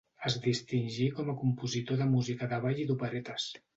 Es distingí com a compositor de música de ball i d'operetes.